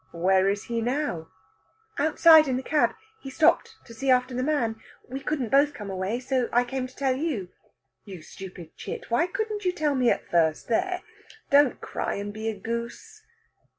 "Where is he now?" "Outside in the cab. He stopped to see after the man. We couldn't both come away, so I came to tell you." "You stupid chit! why couldn't you tell me at first? There, don't cry and be a goose!"